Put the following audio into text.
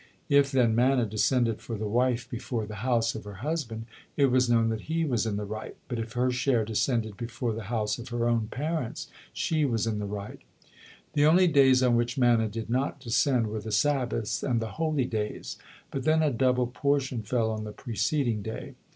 If, then, manna descended for the wife before the house of her husband, it was known that he was in the right; but if her share descended before the house of her own parents, she was in the right. The only days on which manna did not descend were the Sabbaths and the holy days, but then a double portion fell on the preceding day.